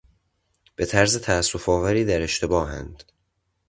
به طرز تاسفآوری در اشتباهند.